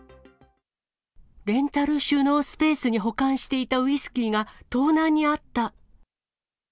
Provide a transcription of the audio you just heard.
レンタル収納スペースに保管していたウイスキーが盗難に遭った。